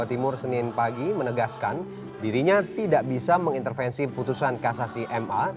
jawa timur senin pagi menegaskan dirinya tidak bisa mengintervensi putusan kasasi ma